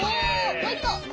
もういっこ！